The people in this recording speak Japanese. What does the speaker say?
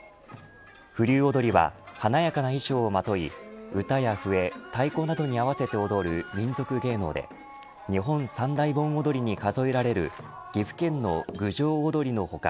風流踊は華やかな衣装をまとい歌や笛、太鼓などに合わせて踊る民俗芸能で日本三大盆踊りに数えられる岐阜県の郡上踊の他